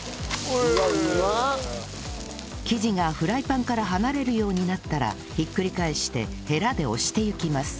生地がフライパンから離れるようになったらひっくり返してヘラで押していきます